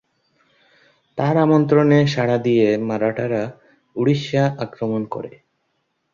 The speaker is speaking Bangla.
তার আমন্ত্রণে সাড়া দিয়ে মারাঠারা উড়িষ্যা আক্রমণ করে।